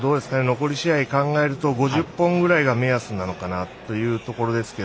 残り試合考えると５０本ぐらいが目安なのかなというところですが。